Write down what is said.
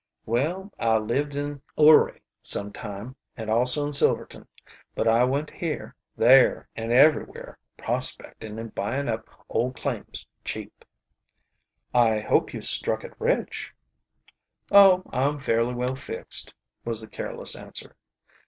"Well, I lived in Ouray some time, and also in Silverton, but I went here, there, and everywhere, prospecting and buying up old claims cheap." "I hope you struck it rich." "Oh, I'm fairly well fixed," was the careless answer.